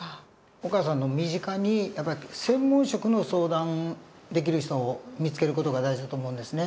お母さんの身近に専門職の相談できる人を見つける事が大事だと思うんですね。